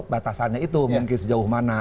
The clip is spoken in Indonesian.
batasannya itu mungkin sejauh mana